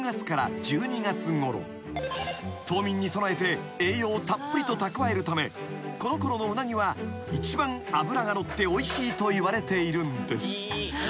［冬眠に備えて栄養をたっぷりと蓄えるためこのころのうなぎは一番脂が乗っておいしいといわれているんです］